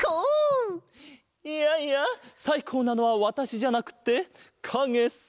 いやいやさいこうなのはわたしじゃなくってかげさ！